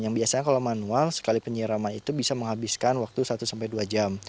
yang biasanya kalau manual sekali penyiraman itu bisa menghabiskan waktu satu sampai dua jam